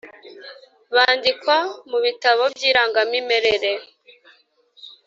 bandikwa mu ibitabo by irangamimerere